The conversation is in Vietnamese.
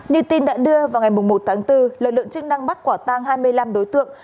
như tin đã đưa vào ngày một tháng bốn lực lượng chức năng bắt quả tang hai mươi năm đối tượng